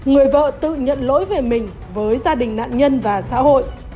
người vợ tự nhận lỗi về mình với gia đình nạn nhân và xã hội